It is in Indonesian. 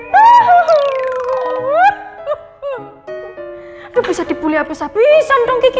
dia bisa dipulih habis habisan dong kiki